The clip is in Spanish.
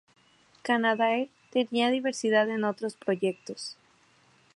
Canadair tenía diversidad en otros proyectos.